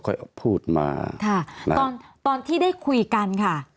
ตั้งแต่เริ่มมีเรื่องแล้ว